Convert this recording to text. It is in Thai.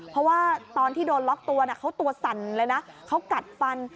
เพราะว่าตอนที่โดนล็อกตัวเขาตัวสั่นเลยนะเขากัดฟัน